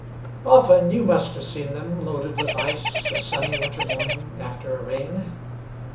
Often you must have seen them Loaded with ice a sunny winter morning After a rain.